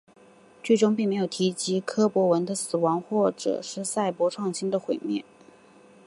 剧中并没有提及柯博文的死亡或是赛博创星的毁灭。